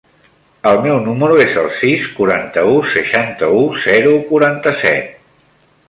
El meu número es el sis, quaranta-u, seixanta-u, zero, quaranta-set.